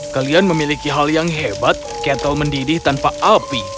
kalian memiliki hal yang hebat ketel mendidih tanpa api